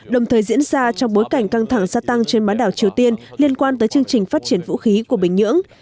đồng thời diễn ra trong bối cảnh căng thẳng gia tăng trên bán đảo triều tiên liên quan tới chương trình phát triển vũ khí của bình nhưỡng